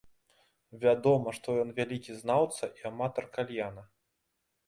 Вядома, што ён вялікі знаўца і аматар кальяна.